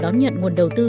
đón nhận nguồn đầu tư